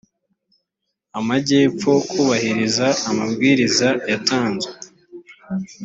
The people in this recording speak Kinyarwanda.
amajyepfo kubahiriza amabwiriza yatanzwe